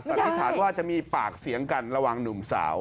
สันนิษฐานว่าจะมีปากเสียงกันระหว่างหนุ่มสาว